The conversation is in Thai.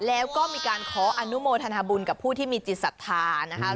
แล้วก็มีการขออนุโมทนาบุญกับผู้ที่มีจิตศรัทธานะคะ